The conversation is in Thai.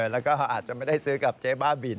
แล้วก็อาจจะไม่ได้ซื้อกับเจ๊บ้าบิน